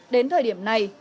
đến thời điểm này